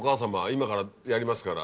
今からやりますから。